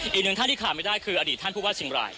อีกหนึ่งท่านที่ถามไม่ได้คืออดีตท่านพูดว่าสิงหร่าย